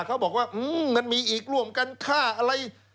เขาบอกว่ามันมีอีกร่วมกันฆ่าอะไร